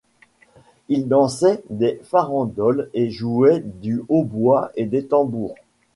Ils dansaient des farandoles et jouaient du hautbois et des tambours.